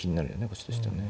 こっちとしてはね。